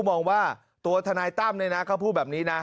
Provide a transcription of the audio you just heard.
มองว่าตัวฐานายตั้มในหน้าเขาพูดแบบนี้นะ